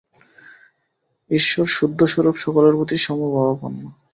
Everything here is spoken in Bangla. ঈশ্বর শুদ্ধস্বরূপ, সকলের প্রতি সমভাবাপন্ন।